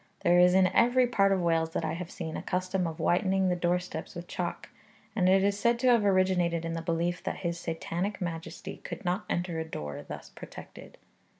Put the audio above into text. There is in every part of Wales that I have seen a custom of whitening the doorsteps with chalk, and it is said to have originated in the belief that his Satanic majesty could not enter a door thus protected.